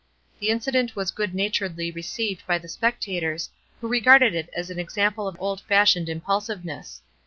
The incident was good naturedly received by the spectators, who regarded it as an example of old fashioned im pulsiveness.